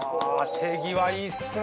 手際いいですね！